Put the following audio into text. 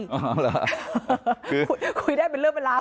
อ๋อหรือคุยได้เป็นเรื่องเวลา